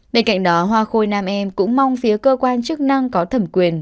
bên cạnh đó hoa khôi nam em cũng mong phía cơ quan chức năng có thẩm quyền